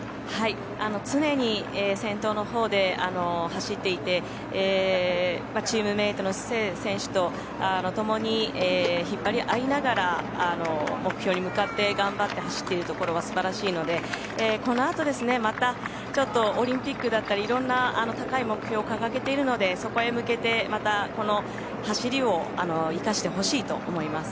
常に先頭のほうで走っていてチームメートのシセイ選手とともに引っ張り合いながら目標に向かって走っているところは素晴らしいので、このあとまたちょっとオリンピックだったりいろんな高い目標を掲げているのでそこへ向けてまたこの走りを生かしてほしいと思います。